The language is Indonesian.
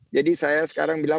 jadi saya sekarang bilang